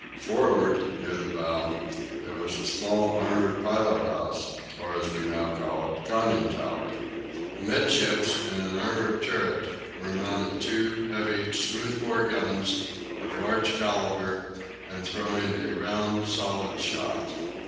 Forward, near the bow, there was a small armoured pilot house, or, as we now call it, "conning tower." Amidships, in an armoured turret, were mounted two heavy smooth bore guns, of large calibre, and throwing a round, solid shot.